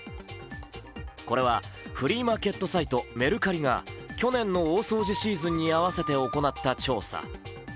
これはフリーマーケットサイトメルカリが去年の大掃除シーズンに合わせて行った調査。